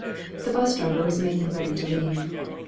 The 'bus driver was making ready to leave.